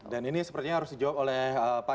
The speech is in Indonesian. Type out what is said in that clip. dan ini sepertinya harus dijawab oleh